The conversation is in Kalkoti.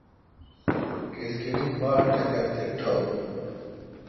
کھلکیٹی باڑٹکَِر تے ٹھو°گ ۔